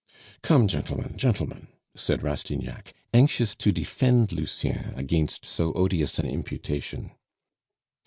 "Come, gentlemen, gentlemen!" said Rastignac, anxious to defend Lucien against so odious an imputation.